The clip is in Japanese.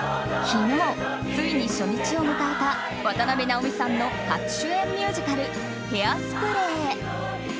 昨日、ついに初日を迎えた渡辺直美さんの初主演ミュージカル「ヘアスプレー」。